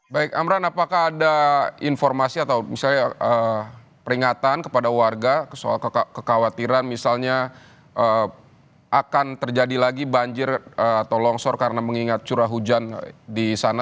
baik amran apakah ada informasi atau misalnya peringatan kepada warga soal kekhawatiran misalnya akan terjadi lagi banjir atau longsor karena mengingat curah hujan di sana